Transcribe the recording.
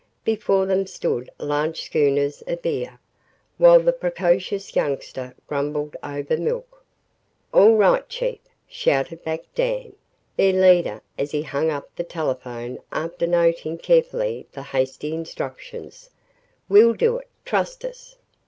Before them stood large schooners of beer, while the precocious youngster grumbled over milk. "All right, Chief," shouted back Dan, their leader as he hung up the telephone after noting carefully the hasty instructions. "We'll do it trust us."